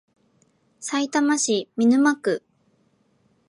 さいたま市見沼区